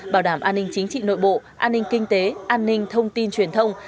bảo đảm an ninh chính trị nội bộ an ninh kinh tế an ninh thông tin truyền thông